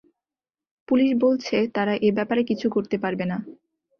Police বলছে তারা এ ব্যাপারে কিছু করতে পারবে না।